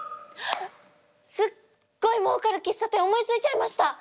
すっごいもうかる喫茶店思いついちゃいました！